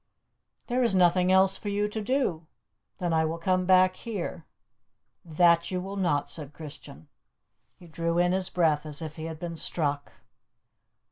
"There is nothing else for you to do." "Then I will come back here." "That you will not," said Christian. He drew in his breath as if he had been struck.